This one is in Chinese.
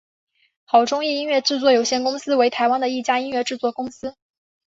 好钟意音乐制作有限公司为台湾的一家音乐制作公司。